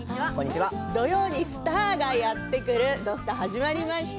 土曜にスターがやってくる「土スタ」始まりました。